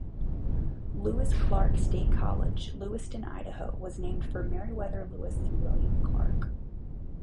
Lewis-Clark State College, Lewiston, Idaho, was named for Meriwether Lewis and William Clark.